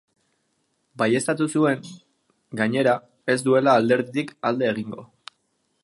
Baieztatu zuen, gainera, ez duela alderditik alde egingo.